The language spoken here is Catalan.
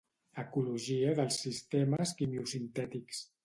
Ecologia dels sistemes quimiosintètics.